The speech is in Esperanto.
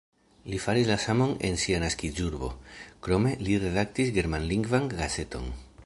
Li faris la samon en sia naskiĝurbo, krome li redaktis germanlingvan gazeton.